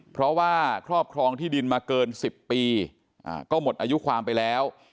เพราะว่าครอบครองที่ดินมาเกิน๑๐ปีก็หมดอายุความไปแล้ว